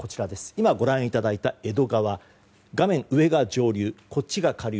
今ご覧いただいた江戸川画面上が下流、こちらが上流。